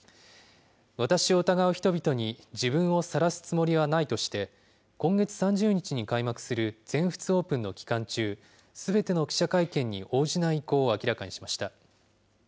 私を疑う人々に自分をさらすつもりはないとして、今月３０日に開幕する全仏オープンの期間中、すべての記者会見に応じない意向を明らかにしました。